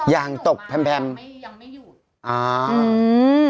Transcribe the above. ตอนที่หนูมายังไม่หยุด